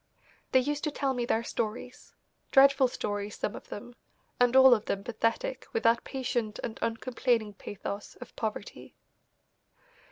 They used to tell me their stories, dreadful stories some of them, and all of them pathetic with that patient and uncomplaining pathos of poverty.